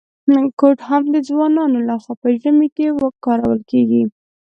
کوټ هم د ځوانانو لخوا په ژمي کي کارول کیږي.